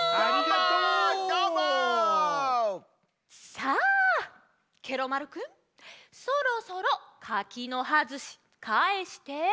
さあケロ丸くんそろそろ柿の葉ずしかえして？